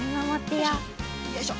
よいしょ！